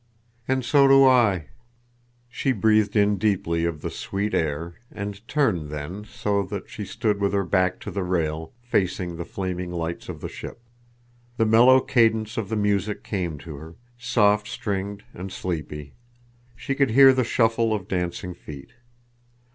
"And so do I." She breathed in deeply of the sweet air, and turned then, so that she stood with her back to the rail, facing the flaming lights of the ship. The mellow cadence of the music came to her, soft stringed and sleepy; she could hear the shuffle of dancing feet.